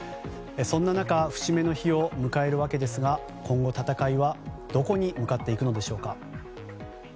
そんな中節目の日を迎えるわけですが今後、戦いはどこに向かっていくのでしょう。